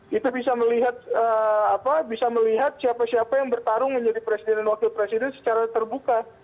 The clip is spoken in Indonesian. kita bisa melihat siapa siapa yang bertarung menjadi presiden dan wakil presiden secara terbuka